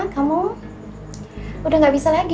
kamu udah gak bisa lagi